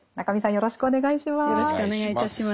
よろしくお願いします。